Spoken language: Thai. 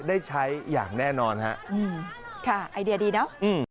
ได้ใช้อย่างแน่นอนฮะค่ะไอเดียดีนะ